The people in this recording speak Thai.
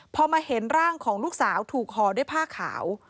พอมาเห็นร่างของลูกสาวถูกห่อด้วยผ้าขาว